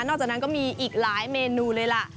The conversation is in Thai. อกจากนั้นก็มีอีกหลายเมนูเลยล่ะ